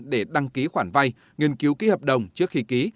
để đăng ký khoản vay nghiên cứu ký hợp đồng trước khi ký